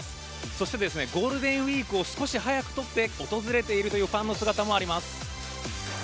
そして、ゴールデンウィークを少し早くとって訪れているというファンの姿もあります。